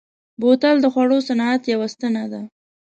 بوتل د خوړو صنعت یوه ستنه ده.